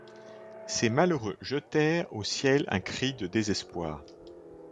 Ces malheureux jetèrent au ciel un cri de désespoir.